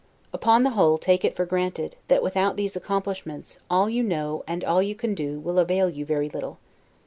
Upon the whole, take it for granted, that without these accomplishments, all you know, and all you can do, will avail you very little.